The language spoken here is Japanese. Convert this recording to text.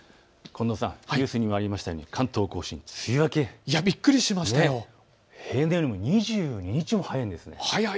近藤さん、ニュースにもありましたように関東甲信、梅雨明け、平年よりも２２日も早いんです。